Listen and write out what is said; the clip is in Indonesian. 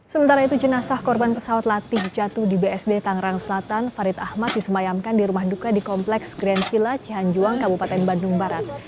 sementara itu jenazah korban pesawat latih jatuh di bsd tangerang selatan farid ahmad disemayamkan di rumah duka di kompleks grand villa cihanjuang kabupaten bandung barat